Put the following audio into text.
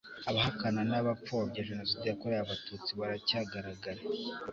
abahakana n'abapfobya jenoside yakorewe abatutsi baracyagaragara